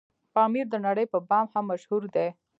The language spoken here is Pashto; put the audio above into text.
پامير دنړۍ په بام هم مشهور دی